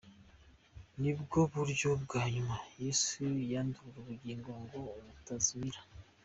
Nibwo buryo bwa nyuma Yesu yandurura ubugingo ngo butazimira.